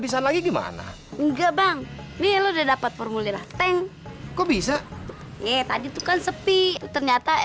sampai jumpa di video selanjutnya